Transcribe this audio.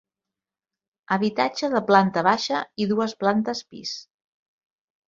Habitatge de planta baixa i dues plantes pis.